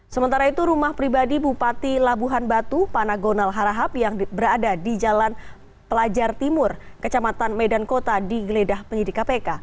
sementara itu rumah pribadi bupati labuhan batu panagonal harahap yang berada di jalan pelajar timur kecamatan medan kota digeledah penyidik kpk